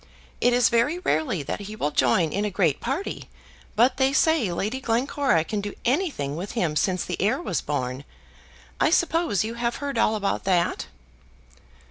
It is very rarely that he will join in a great party, but they say Lady Glencora can do anything with him since the heir was born. I suppose you have heard all about that."